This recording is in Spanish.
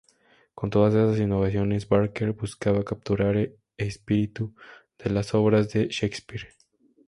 Con todas esas innovaciones Barker buscaba capturar e "espíritu" de las obras de Shakespeare.